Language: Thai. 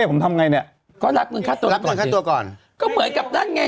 ผมทำไงเนี่ยก็นับเงินค่าตัวรับก่อนค่าตัวก่อนก็เหมือนกับนั่นไง